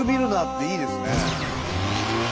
っていいですね。